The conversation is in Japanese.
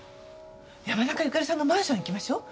山中由佳里さんのマンション行きましょう。